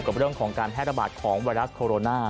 กับเรื่องของการแพร่ระบาดของไวรัสโคโรนา